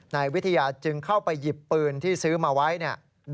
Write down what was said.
นายวิทยาจึงเข้าไปหยิบปืนที่ซื้อมาไว้เนี่ย